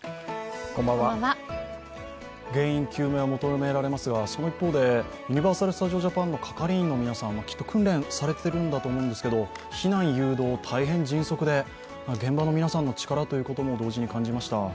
原因究明は求められますが、その一方でユニバーサル・スタジオ・ジャパンの係員の皆さんもきっと訓練されているんだと思うんですけど避難誘導、大変迅速で現場の皆さんの力ということも同時に感じました。